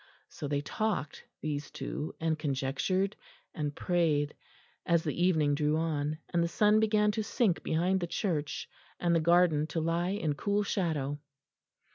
So they talked, these two, and conjectured and prayed, as the evening drew on; and the sun began to sink behind the church, and the garden to lie in cool shadow.